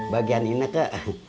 bagian ini ke